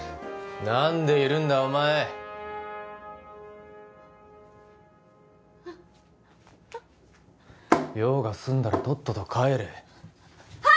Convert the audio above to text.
何でいるんだお前用が済んだらとっとと帰れはい！